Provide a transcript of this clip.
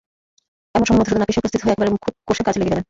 এমন সময় মধুসূদন আপিসে উপস্থিত হয়ে একেবারে খুব কষে কাজে লেগে গেল।